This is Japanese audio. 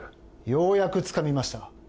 ようやくつかみました。